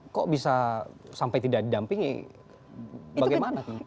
kok bisa sampai tidak didampingi bagaimana